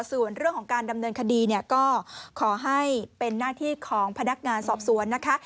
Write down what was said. ส่วนเรื่องของการดำเนินคดีเนี่ยก็ขอให้เป็นหน้าที่ของพนักงานสอบสวนนะคะ